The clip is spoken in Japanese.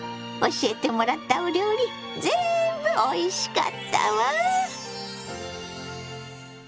教えてもらったお料理ぜんぶおいしかったわ！